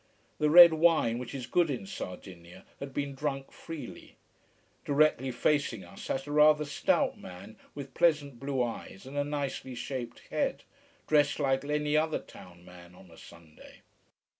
The red wine, which is good in Sardinia, had been drunk freely. Directly facing us sat a rather stout man with pleasant blue eyes and a nicely shaped head: dressed like any other town man on a Sunday.